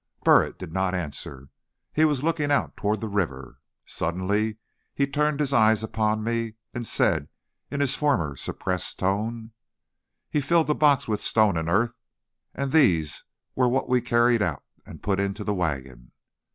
Burritt did not answer. He was looking out toward the river. Suddenly he turned his eyes upon me and said in his former suppressed tone: "He filled the box with stone and earth, and these were what we carried out and put into the wagon.